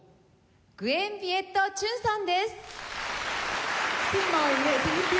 グエン・ヴィエット・チュンさんです。